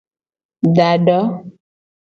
Da do.